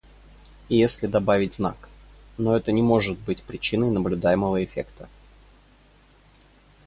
если добавить знак, но это не может быть причиной наблюдаемого эффекта.